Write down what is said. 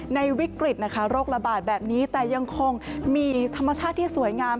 วิกฤตนะคะโรคระบาดแบบนี้แต่ยังคงมีธรรมชาติที่สวยงาม